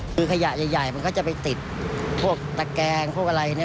คือขยะใหญ่มันก็จะไปติดพวกตะแกงพวกอะไรเนี่ย